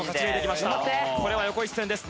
これは横一線です。